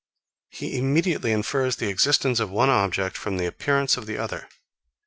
He immediately infers the existence of one object from the appearance of the other.